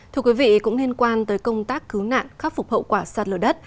thưa quý vị cũng liên quan tới công tác cứu nạn khắc phục hậu quả sát lở đất